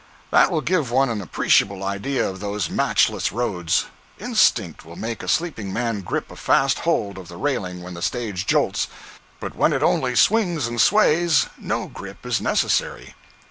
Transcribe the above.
That will give one an appreciable idea of those matchless roads. Instinct will make a sleeping man grip a fast hold of the railing when the stage jolts, but when it only swings and sways, no grip is necessary.